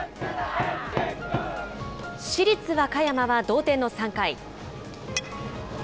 市立和歌山は同点の３回。